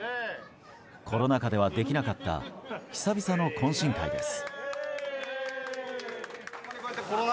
コロナ禍ではできなかった久々の懇親会です。